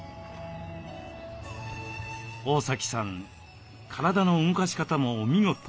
大崎さん体の動かし方もお見事。